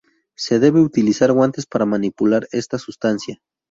Se debe utilizar guantes para manipular esta sustancia.